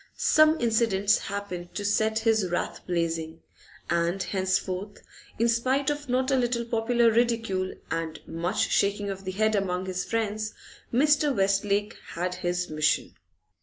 Some incidents happened to set his wrath blazing, and henceforth, in spite of not a little popular ridicule and much shaking of the head among his friends, Mr. Westlake had his mission.